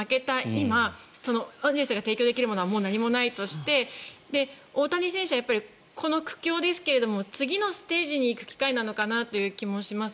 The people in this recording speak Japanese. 今エンゼルスが提供できるものはもう何もないとして大谷選手はこの苦境ですけども次のステージに行く機会なのかなとも思います。